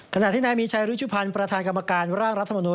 ขณะที่นายมีชัยรุชุพันธ์ประธานกรรมการร่างรัฐมนุน